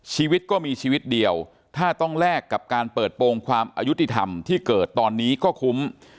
ชีวิตก็มีชีวิตเดียวถ้าต้องแลกกับการเปิดโปรงความอายุติธรรมที่เกิดตอนนี้ก็คุ้ม